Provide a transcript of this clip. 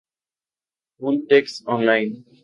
Full text online